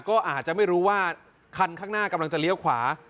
ก็อาจจะไม่รู้ว่าคันข้างหน้ากำลังจะเลี้ยวขวา